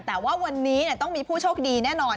แต่ว่าวันนี้ต้องมีผู้โชคดีแน่นอน